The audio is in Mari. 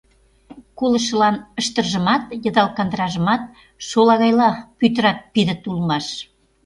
Колышылан ыштыржымат, йыдал кандыражымат шолагайла пӱтырат-пидыт улмаш.